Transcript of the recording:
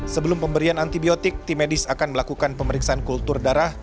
sebelum pemberian antibiotik tim medis akan melakukan pemeriksaan kultur darah